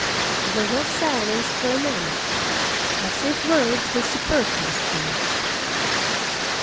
There was silence for a moment, as if words were superfluous things.